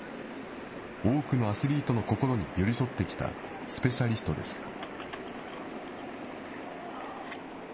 多くのアスリートの心に寄り添ってきたスペシャリストです。